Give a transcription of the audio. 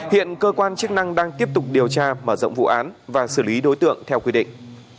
hiện cơ quan chức năng đang tiếp tục điều tra mở rộng vụ án và xử lý đối tượng theo quy định